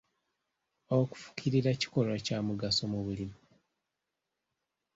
Okufukirira kikolwa kya mugaso mu bulimi.